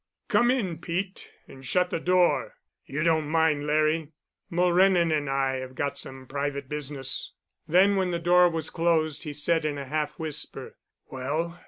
"Come in, Pete, and shut the door. You don't mind, Larry? Mulrennan and I have got some private business." Then, when the door was closed, he said in a half whisper, "Well?